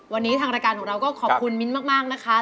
วันนี้ทางรายการของเราก็ขอบคุณมิ้นมากนะคะ